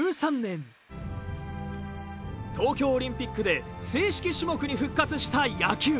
東京オリンピックで正式種目に復活した野球。